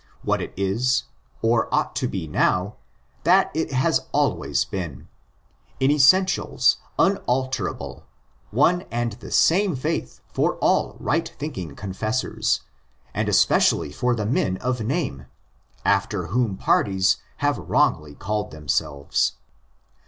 What it is, or ought to be now, that it has always been—in essentials unalterable, one and the same faith for all right thinking confessors, and — especially for the men of name, after whom parties have wrongly called themselves.